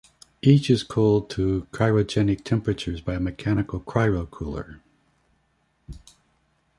Each is cooled to cryogenic temperatures by a mechanical cryocooler.